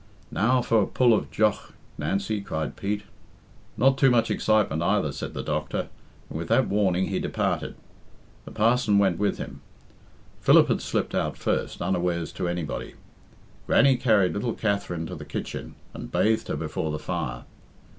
"Now for a pull of jough, Nancy," cried Pete. "Not too much excitement either," said the doctor, and with that warning he departed. The parson went with him. Philip had slipped out first, unawares to anybody. Grannie carried little Katherine to the kitchen, and bathed her before the fire.